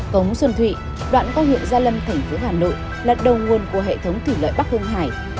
cống xuân thụy đoạn có hiệu gia lâm thành phố hà nội là đầu nguồn của hệ thống thủy lợi bắc hương hải